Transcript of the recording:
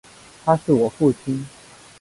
他是我父亲